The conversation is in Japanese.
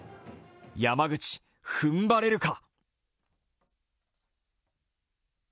山口、ふんばれるか。